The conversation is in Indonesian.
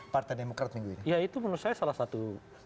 ya itu menurut saya salah satu